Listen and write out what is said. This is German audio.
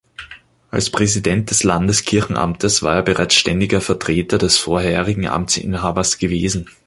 Als Präsident des Landeskirchenamtes war er bereits ständiger Vertreter des vorherigen Amtsinhabers gewesen.